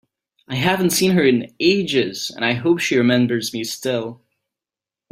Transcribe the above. I haven’t seen her in ages, and I hope she remembers me still!